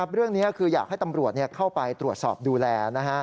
เรื่องนี้คืออยากให้ตำรวจเข้าไปตรวจสอบดูแล